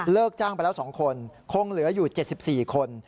จ้างไปแล้ว๒คนคงเหลืออยู่๗๔คน